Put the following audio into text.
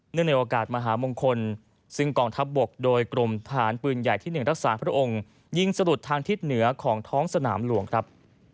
ในโอกาสมหามงคลซึ่งกองทัพบกโดยกรมฐานปืนใหญ่ที่๑รักษาพระองค์ยิงสลุดทางทิศเหนือของท้องสนามหลวงครับ